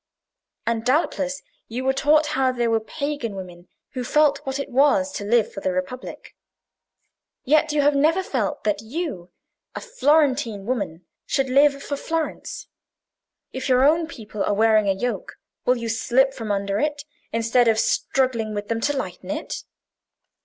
And doubtless you were taught how there were pagan women who felt what it was to live for the Republic; yet you have never felt that you, a Florentine woman, should live for Florence. If your own people are wearing a yoke, will you slip from under it, instead of struggling with them to lighten it?